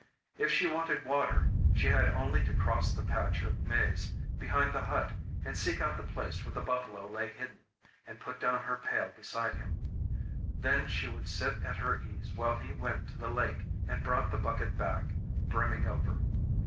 If she wanted water, she had only to cross the patch of maize behind the hut and seek out the place where the buffalo lay hidden, and put down her pail beside him. Then she would sit at her ease while he went to the lake and brought the bucket back brimming over.